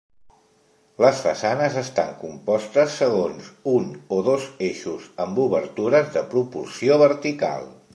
Les façanes estan compostes segons un o dos eixos amb obertures de proporció vertical.